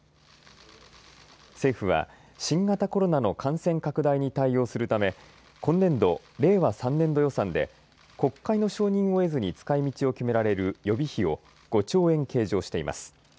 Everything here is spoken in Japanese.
政府は新型コロナの感染拡大に対応するため今年度、令和３年度予算で国会の承認を得ずに使いみちを決められる予備費を５兆円計上しています。